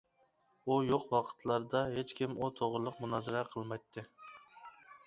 ئۇ يوق ۋاقىتلاردا ھېچكىم ئۇ توغرىلىق مۇنازىرە قىلمايتتى.